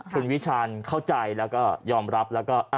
คุณวิชาญเข้าใจแล้วก็ยอมรับแล้วก็